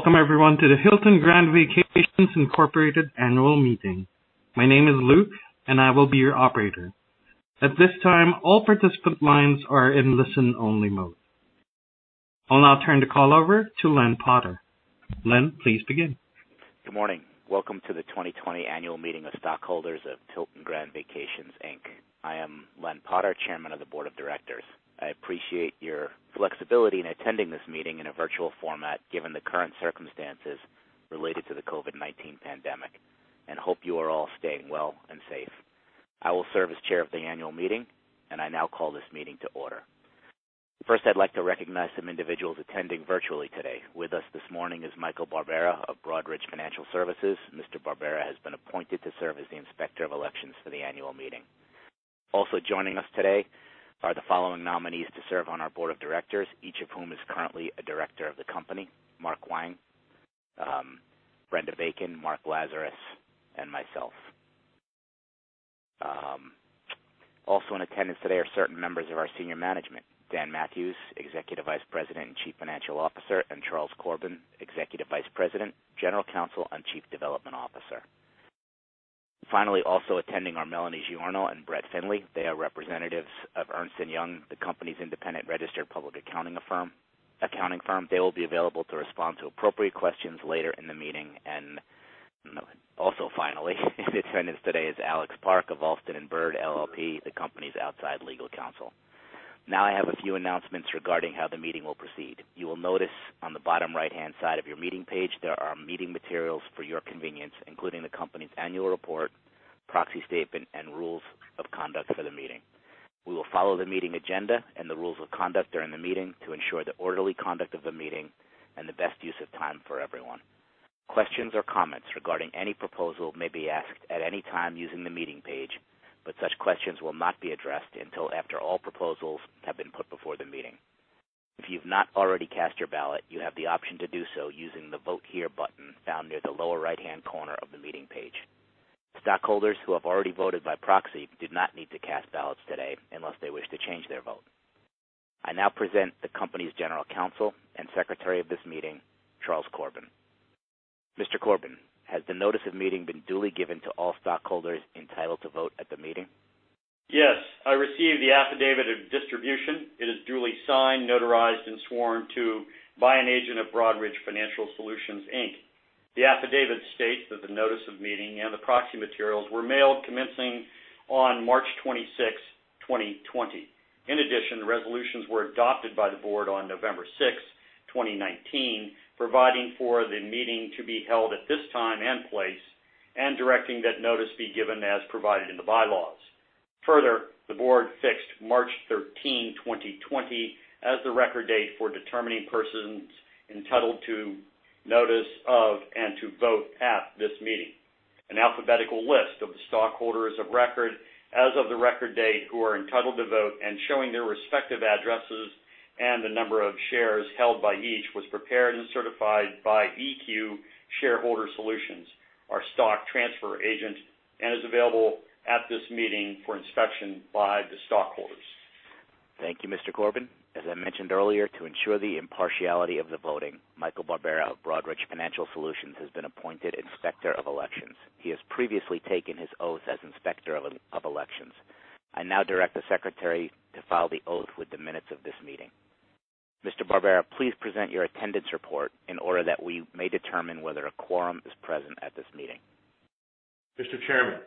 Welcome everyone to the Hilton Grand Vacations Incorporated Annual Meeting. My name is Luke, and I will be your operator. At this time, all participant lines are in listen-only mode. I'll now turn the call over to Len Potter. Len, please begin. Good morning. Welcome to the 2020 Annual Meeting of Stockholders of Hilton Grand Vacations Inc. I am Len Potter, Chairman of the Board of Directors. I appreciate your flexibility in attending this meeting in a virtual format, given the current circumstances related to the COVID-19 pandemic, and hope you are all staying well and safe. I will serve as Chair of the annual meeting, and I now call this meeting to order. First, I'd like to recognize some individuals attending virtually today. With us this morning is Michael Barbera of Broadridge Financial Solutions. Mr. Barbera has been appointed to serve as the Inspector of Elections for the annual meeting. Also joining us today are the following nominees to serve on our Board of Directors, each of whom is currently a director of the company, Mark Wang, Brenda Bacon, Mark Lazarus, and myself. Also in attendance today are certain members of our senior management, Dan Mathewes, Executive Vice President and Chief Financial Officer, and Charles Corbin, Executive Vice President, General Counsel, and Chief Development Officer. Finally, also attending are Melanie Giorno and Brett Finley. They are representatives of Ernst & Young, the company's independent registered public accounting firm. They will be available to respond to appropriate questions later in the meeting. And also, finally, in attendance today is Alex Park of Alston & Bird LLP, the company's outside legal counsel. Now, I have a few announcements regarding how the meeting will proceed. You will notice on the bottom right-hand side of your meeting page, there are meeting materials for your convenience, including the company's annual report, proxy statement, and rules of conduct for the meeting. We will follow the meeting agenda and the rules of conduct during the meeting to ensure the orderly conduct of the meeting and the best use of time for everyone. Questions or comments regarding any proposal may be asked at any time using the meeting page, but such questions will not be addressed until after all proposals have been put before the meeting. If you've not already cast your ballot, you have the option to do so using the Vote Here button down near the lower right-hand corner of the meeting page. Stockholders who have already voted by proxy do not need to cast ballots today unless they wish to change their vote. I now present the company's general counsel and secretary of this meeting, Charles Corbin. Mr. Corbin, has the notice of meeting been duly given to all stockholders entitled to vote at the meeting? Yes, I received the Affidavit of Distribution. It is duly signed, notarized, and sworn to by an agent of Broadridge Financial Solutions, Inc. The affidavit states that the notice of meeting and the proxy materials were mailed commencing on March 26, 2020. In addition, the resolutions were adopted by the board on November 6, 2019, providing for the meeting to be held at this time and place, and directing that notice be given as provided in the bylaws. Further, the board fixed March 13, 2020, as the record date for determining persons entitled to notice of, and to vote at this meeting. An alphabetical list of the stockholders of record as of the record date, who are entitled to vote and showing their respective addresses and the number of shares held by each, was prepared and certified by EQ Shareowner Services, our stock transfer agent, and is available at this meeting for inspection by the stockholders. Thank you, Mr. Corbin. As I mentioned earlier, to ensure the impartiality of the voting, Michael Barbera of Broadridge Financial Solutions has been appointed Inspector of Elections. He has previously taken his oath as Inspector of Elections. I now direct the Secretary to file the oath with the minutes of this meeting. Mr. Barbera, please present your attendance report in order that we may determine whether a quorum is present at this meeting. Mr. Chairman,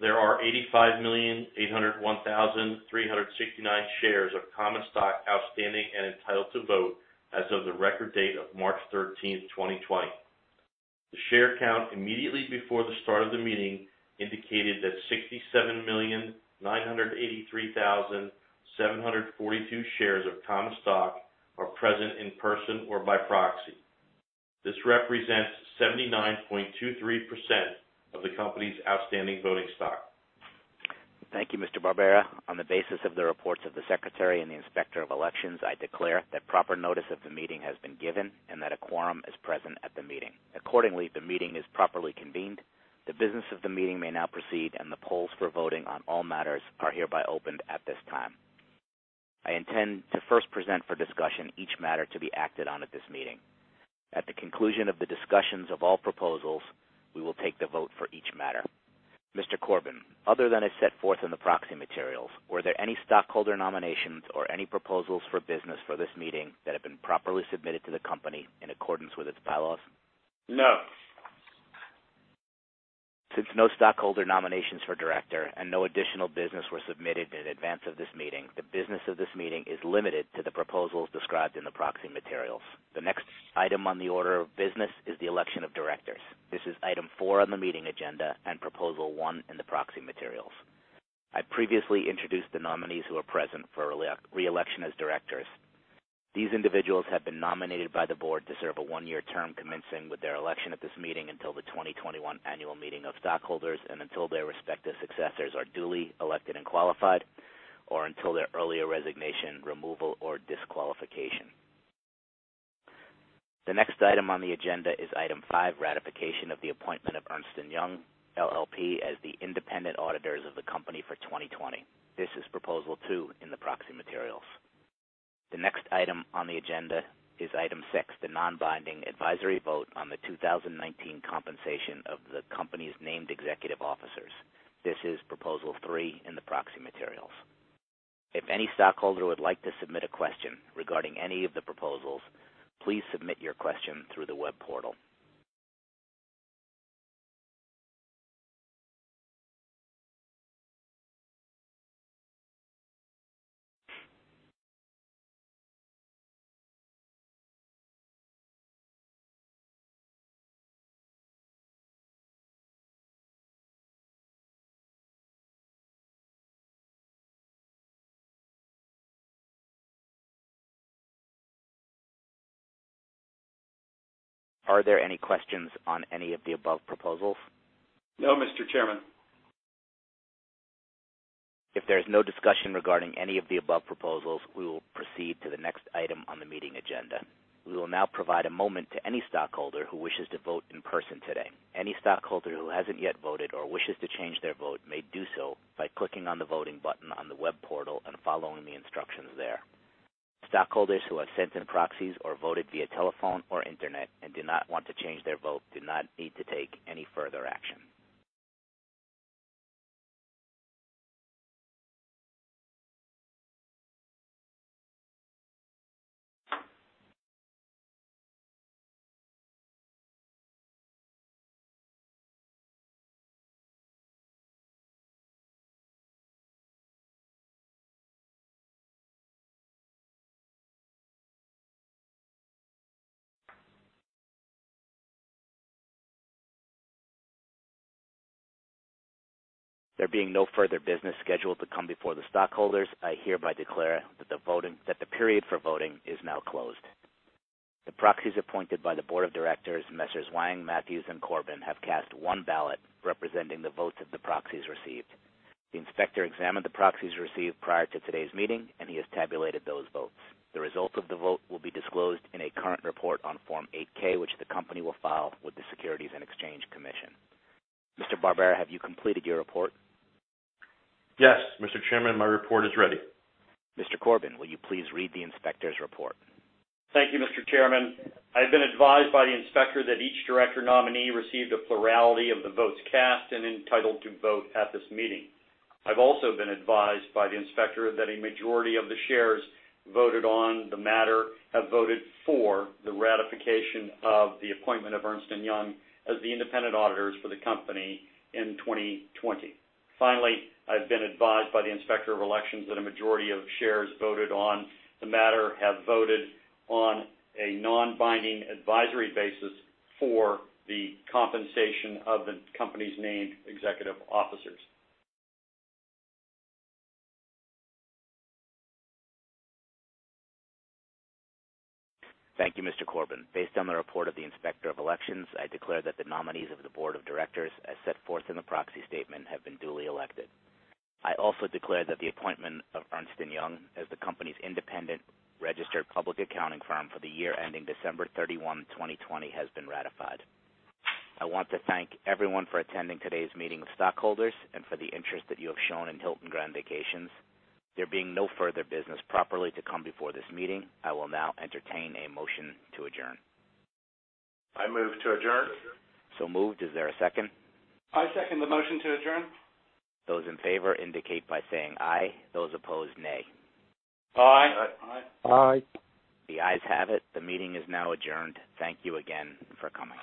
there are 85,801,369 shares of common stock outstanding and entitled to vote as of the record date of March 13, 2020. The share count immediately before the start of the meeting indicated that 67,983,742 shares of common stock are present in person or by proxy. This represents 79.23% of the company's outstanding voting stock. Thank you, Mr. Barbera. On the basis of the reports of the Secretary and the Inspector of Elections, I declare that proper notice of the meeting has been given and that a quorum is present at the meeting. Accordingly, the meeting is properly convened. The business of the meeting may now proceed, and the polls for voting on all matters are hereby opened at this time. I intend to first present for discussion each matter to be acted on at this meeting. At the conclusion of the discussions of all proposals, we will take the vote for each matter. Mr. Corbin, other than as set forth in the proxy materials, were there any stockholder nominations or any proposals for business for this meeting that have been properly submitted to the company in accordance with its bylaws? No. Since no stockholder nominations for director and no additional business were submitted in advance of this meeting, the business of this meeting is limited to the proposals described in the proxy materials. The next item on the order of business is the election of directors. This is item four on the meeting agenda and proposal one in the proxy materials. I previously introduced the nominees who are present for re-election as directors. These individuals have been nominated by the board to serve a one-year term, commencing with their election at this meeting until the 2021 annual meeting of stockholders and until their respective successors are duly elected and qualified or until their earlier resignation, removal, or disqualification. The next item on the agenda is item five, ratification of the appointment of Ernst & Young LLP as the independent auditors of the company for 2020. This is Proposal 2 in the proxy materials. The next item on the agenda is Item 6, the non-binding advisory vote on the 2019 compensation of the company's named executive officers. This is Proposal 3 in the proxy materials. If any stockholder would like to submit a question regarding any of the proposals, please submit your question through the web portal. Are there any questions on any of the above proposals? No, Mr. Chairman. If there is no discussion regarding any of the above proposals, we will proceed to the next item on the meeting agenda. We will now provide a moment to any stockholder who wishes to vote in person today. Any stockholder who hasn't yet voted or wishes to change their vote may do so by clicking on the voting button on the web portal and following the instructions there. Stockholders who have sent in proxies or voted via telephone or internet and do not want to change their vote, do not need to take any further action. There being no further business scheduled to come before the stockholders, I hereby declare that the voting-- that the period for voting is now closed. The proxies appointed by the board of directors, Messrs. Wang, Mathewes, and Corbin, have cast one ballot representing the votes of the proxies received. The inspector examined the proxies received prior to today's meeting, and he has tabulated those votes. The result of the vote will be disclosed in a current report on Form 8-K, which the company will file with the Securities and Exchange Commission. Mr. Barbera, have you completed your report? Yes, Mr. Chairman, my report is ready. Mr. Corbin, will you please read the inspector's report? Thank you, Mr. Chairman. I have been advised by the inspector that each director nominee received a plurality of the votes cast and entitled to vote at this meeting. I've also been advised by the inspector that a majority of the shares voted on the matter have voted for the ratification of the appointment of Ernst & Young as the independent auditors for the company in 2020. Finally, I've been advised by the Inspector of Elections that a majority of shares voted on the matter have voted on a non-binding advisory basis for the compensation of the company's named executive officers. Thank you, Mr. Corbin. Based on the report of the Inspector of Elections, I declare that the nominees of the Board of Directors, as set forth in the Proxy Statement, have been duly elected. I also declare that the appointment of Ernst & Young as the company's independent registered public accounting firm for the year ending December thirty-one, twenty twenty, has been ratified. I want to thank everyone for attending today's meeting of stockholders and for the interest that you have shown in Hilton Grand Vacations. There being no further business properly to come before this meeting, I will now entertain a motion to adjourn. I move to adjourn. So moved. Is there a second? I second the motion to adjourn. Those in favor indicate by saying, "Aye." Those opposed, "Nay. Aye. The ayes have it. The meeting is now adjourned. Thank you again for coming.